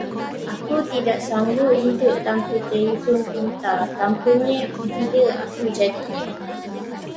Aku tak sanggup hidup tanpa telefon pintar, tanpanya gila aku jadinya.